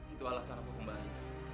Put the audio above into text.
itu alasan aku kembali